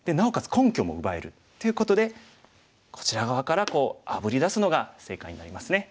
根拠も奪える。ということでこちら側からあぶり出すのが正解になりますね。